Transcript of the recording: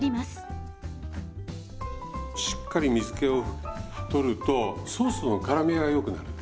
しっかり水けを取るとソースのからみがよくなる。